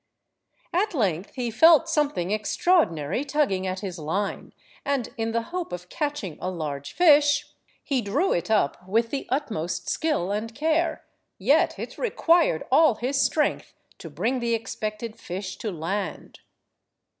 At length he felt something extraordinary tugging at his line, and, in the hope of catching a large fish, he drew it up with the utmost skill and care, yet it required all his strength to bring the expected fish to land.